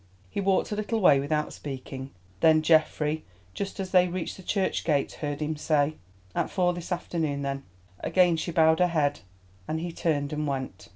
He walked a little way without speaking, then Geoffrey, just as they reached the church gate, heard him say, "At four this afternoon, then." Again she bowed her head, and he turned and went.